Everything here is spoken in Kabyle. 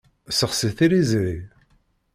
Sexsi tiliẓṛi.